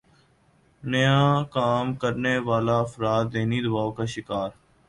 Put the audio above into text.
نیا کام کرنے والےافراد ذہنی دباؤ کا شکار